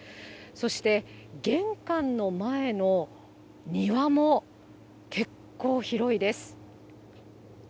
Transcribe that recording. そして玄関の前の庭も結構広いです。